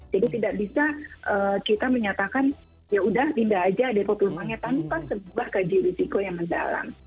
jadi tidak bisa kita menyatakan ya sudah pindah saja depo pulangnya tanpa sebuah kaji risiko yang mendalam